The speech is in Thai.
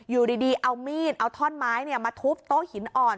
อยู่ดีเอามีดเอาท่อนไม้มาทุบโต๊ะหินอ่อน